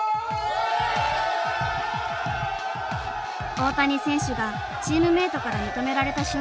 大谷選手がチームメートから認められた瞬間でした。